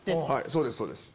そうですそうです。